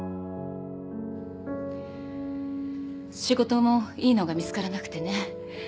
仕事もいいのが見つからなくてね。